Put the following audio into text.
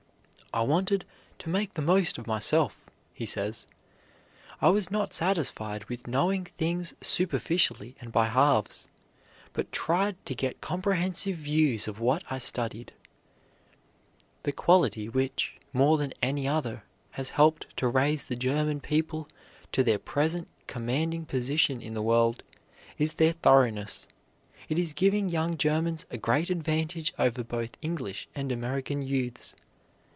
"I wanted to make the most of myself," he says; "I was not satisfied with knowing things superficially and by halves, but tried to get comprehensive views of what I studied." The quality which, more than any other, has helped to raise the German people to their present commanding position in the world, is their thoroughness. It is giving young Germans a great advantage over both English and American youths.